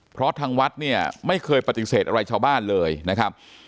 เพราะทางวัดเนี่ยไม่เคยปฏิเสธอะไรชาวบ้านเลยนะครับ